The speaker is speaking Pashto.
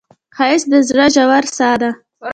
ښایست د زړه ژور ساه ده